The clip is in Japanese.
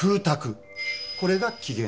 これが起源です。